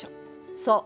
そう。